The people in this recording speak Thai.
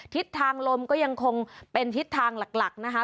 ทิศทางลมก็ยังคงเป็นทิศทางหลักนะคะ